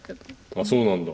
ああそうなんだ。